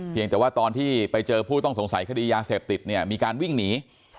แต่ว่าตอนที่ไปเจอผู้ต้องสงสัยคดียาเสพติดเนี่ยมีการวิ่งหนี